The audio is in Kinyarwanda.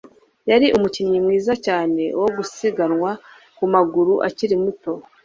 Yari umukinnyi mwiza cyane wo gusiganwa ku maguru akiri muto.